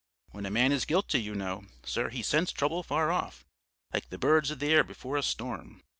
When a man is guilty, you know, sir, he scents trouble far off, like the birds of the air before a storm.